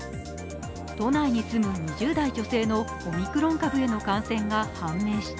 都内に住む２０代女性のオミクロン株への感染が判明した。